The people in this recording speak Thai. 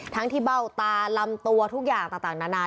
ทั้งที่เบ้าตาลำตัวทุกอย่างต่างนานา